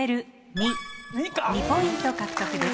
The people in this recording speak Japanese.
２ポイント獲得です。